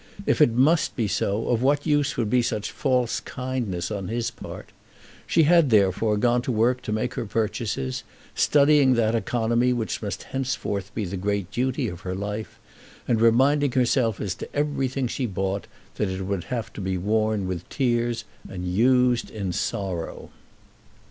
If it must be so, of what use would be such false kindness on his part? She had therefore gone to work to make her purchases, studying that economy which must henceforth be the great duty of her life, and reminding herself as to everything she bought that it would have to be worn with tears and used in sorrow.